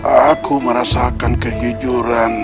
aku merasakan kejujuran